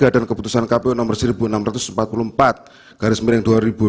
dan keputusan kpu nomor seribu enam ratus empat puluh empat garis miring dua ribu dua puluh tiga